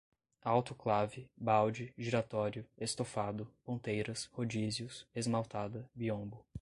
autoclave, balde, giratório, estofado, ponteiras, rodízios, esmaltada, biombo